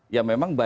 ya memang by design